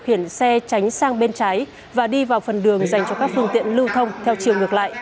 khiển xe tránh sang bên trái và đi vào phần đường dành cho các phương tiện lưu thông theo chiều ngược lại